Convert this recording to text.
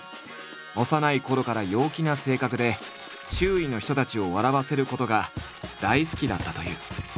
幼いころから陽気な性格で周囲の人たちを笑わせることが大好きだったという。